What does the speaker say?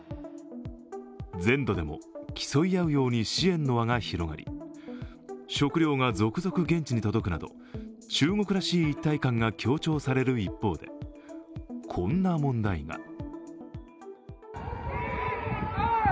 全土でも競い合うように支援の輪が広がり、食料が続々、現地に届くなど中国らしい一体感が強調される一方で、こんな問題が。